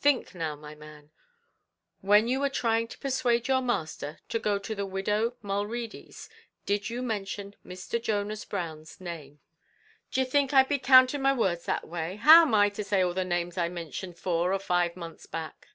"Think now, my man; when you were trying to persuade your master to go to the widow Mulready's, did you mention Mr. Jonas Brown's name?" "D'ye think I do be counting my words that way; how am I to say all the names I mintioned four or five months back?"